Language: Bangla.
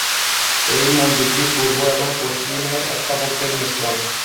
এই মন্দিরটি পূর্ব এবং পশ্চিমের স্থাপত্যের মিশ্রণ।